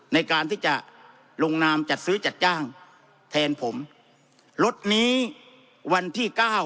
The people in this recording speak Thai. ในการที่จะลงนามจัดซื้อจัดจ้างแทนผมรถนี้วันที่เก้า